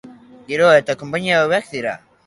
Giroa eta konpainia hobeak dira.